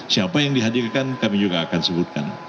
siapa yang dihadirkan kami juga akan sebutkan